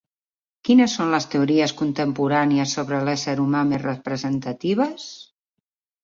Quines són les teories contemporànies sobre l'ésser humà més representatives?